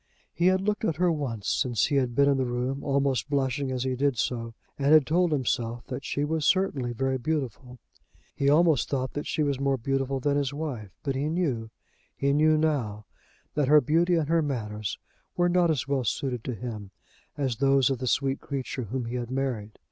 He had looked at her once since he had been in the room, almost blushing as he did so, and had told himself that she was certainly very beautiful. He almost thought that she was more beautiful than his wife; but he knew, he knew now, that her beauty and her manners were not as well suited to him as those of the sweet creature whom he had married.